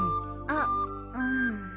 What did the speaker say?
あっうーん。